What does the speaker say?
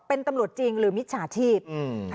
เป็นตำรวจจริงหรือมิจฉาชีพ